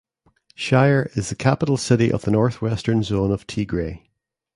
Shire is the capital city of the Northwestern zone of Tigray.